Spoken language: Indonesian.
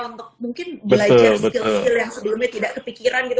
untuk mungkin belajar skill skill yang sebelumnya tidak kepikiran gitu